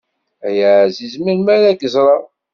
Ay aεziz melmi ara k-ẓreɣ.